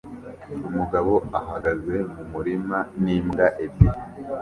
Umugabo ahagaze mu murima n'imbwa ebyiri